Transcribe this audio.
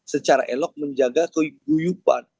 secara elok menjaga keguyupan